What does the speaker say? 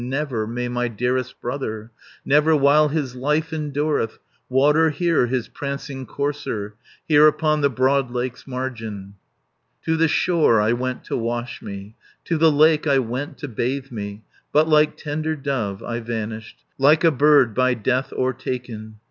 350 Never may my dearest brother, Never while his life endureth, Water here his prancing courser, Here upon the broad lake's margin "To the shore I went to wash me, To the lake I went to bathe me, But, like tender dove, I vanished, Like a bird by death overtaken.